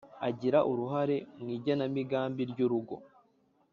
Agira uruhare mu igenamigambi ry’urugo